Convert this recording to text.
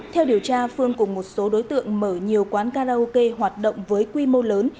theo điều tra phương cùng một số đối tượng mở nhiều quán karaoke hoạt động với quy mô lớn